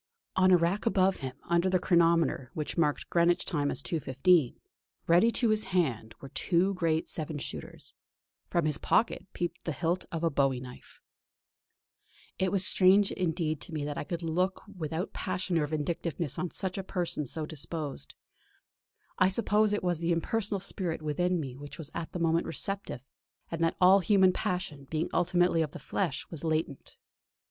On a rack above him, under the chronometer which marked Greenwich time as 2.15, ready to his hand, were two great seven shooters; from his pocket peeped the hilt of a bowie knife. It was indeed strange to me that I could look without passion or vindictiveness on such a person so disposed. I suppose it was the impersonal spirit within me which was at the moment receptive, and that all human passion, being ultimately of the flesh, was latent.